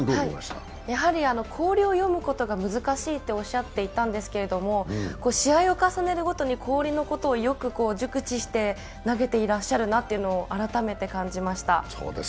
氷を読むことが難しいとおっしゃっていたんですけど、試合を重ねるごとに氷のことをよく熟知して投げていらっしゃるなと改めて感じました。